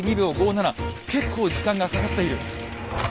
結構時間がかかっている。